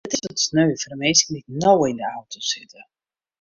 It is wat sneu foar de minsken dy't no yn de auto sitte.